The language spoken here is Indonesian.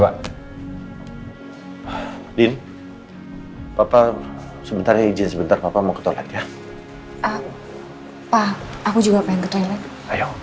pak din papa sebentar ya ijin sebentar papa mau ke toilet ya apa aku juga pengen ke toilet ayo